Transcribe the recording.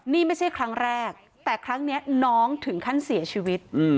นี่ไม่ใช่ครั้งแรกแต่ครั้งนี้น้องถึงขั้นเสียชีวิต